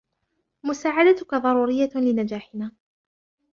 مساعدتك ضرورية لنجاحنا.